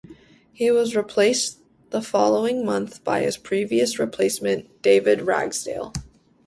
He was replaced the following month by his previous replacement David Ragsdale.